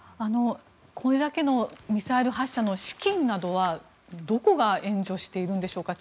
これだけのミサイル発射の資金などはどこが援助しているんでしょうか。